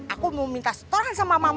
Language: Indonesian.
aku mau minta setoran sama mama kau itu